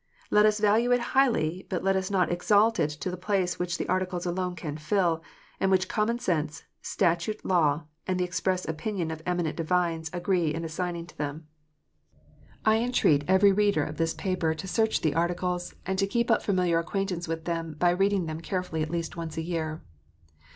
Let us value it highly ; but let us not exalt it to the place which the Articles alone can fill, and which common sense, statute law, and the express opinion of eminent divines agree in assigning to them. APOSTOLIC FEARS. 399 I entreat every reader of this paper to search the Articles, and to keep up familiar acquaintance with them by reading them carefully at least once a year.